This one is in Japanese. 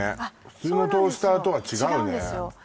普通のトースターとは違うね違うんですよ